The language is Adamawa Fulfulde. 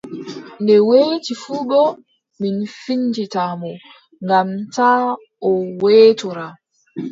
Nde weeti fuu boo, min findinta mo, ngam taa o weetora!